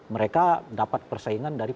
mereka dapat persaingan dari